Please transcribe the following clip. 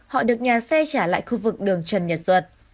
họ được nhà xe trả lại khu vực đường trần nhật duật